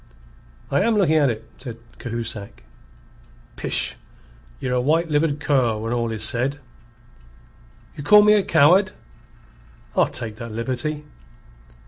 "I am looking at it," said Cahusac. "Pish! Ye're a white livered cur when all is said." "You call me a coward?" "I'll take that liberty."